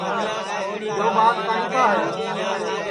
یو ٻاگ کائیں کا ہے